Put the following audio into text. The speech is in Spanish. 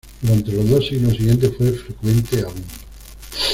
Durante los dos siglos siguientes fue frecuente aún.